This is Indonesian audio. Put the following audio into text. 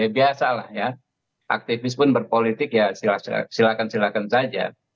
bisa lah ya aktivis pun berpolitik ya silahkan silahkan saja